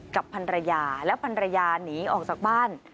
พันรยาและพันรยาหนีออกจากบ้าน